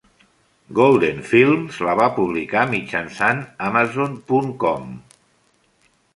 Golden Films la va publicar mitjançant Amazon punt com.